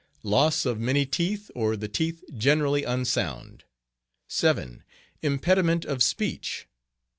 Loss of many teeth, or the teeth generally unsound. 7. Impediment of speech.